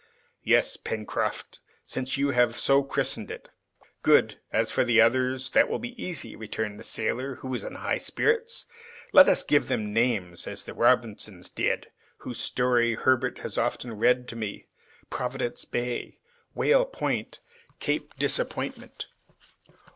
"Yes, Pencroft, since you have so christened it." "Good! as for the others, that will be easy," returned the sailor, who was in high spirits. "Let us give them names, as the Robinsons did, whose story Herbert has often read to me; Providence Bay, Whale Point, Cape Disappointment!"